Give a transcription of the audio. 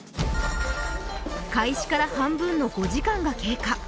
開始から半分の５時間が経過